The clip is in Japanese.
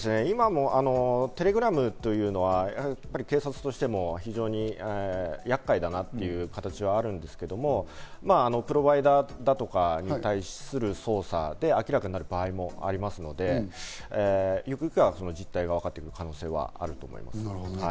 テレグラムというのは警察としても非常に厄介だなという形はあるんですけれども、プロバイダだとかに対する捜査で明らかになる場合もありますので、ゆくゆくは実態がわかってくる可能性はあると思います。